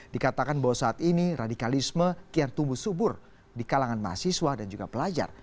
dikatakan bahwa saat ini radikalisme kian tumbuh subur di kalangan mahasiswa dan juga pelajar